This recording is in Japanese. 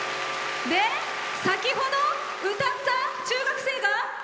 先ほど歌った中学生が？